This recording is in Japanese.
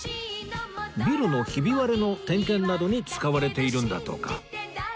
ビルのヒビ割れの点検などに使われているんだとか